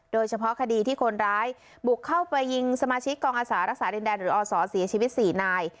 โดยเฉพาะคดีที่คนร้ายบุกเข้าไปยิงสมาชิกกองอาสารักษาดินแดนหรืออศเสียชีวิต๔นาย